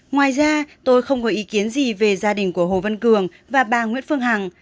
ngoài ra tôi không có ý kiến gì về gia đình của hồ văn cường và bà nguyễn phương hằng